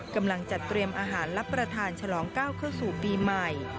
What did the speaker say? กำลังจัดเตรียมอาหารรับประทานฉลองก้าวเข้าสู่ปีใหม่